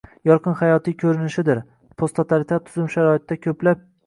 yorqin hayotiy ko‘rinishidir: posttotalitar tuzum sharoitida ko‘plab